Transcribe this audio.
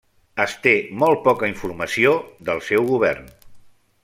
Es té molt poca informació del seu govern.